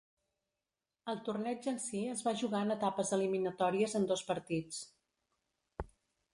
El torneig en si es va jugar en etapes eliminatòries en dos partits.